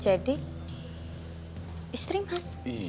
jadi dia berkenan untuk nemenin mas untuk pura pura jadi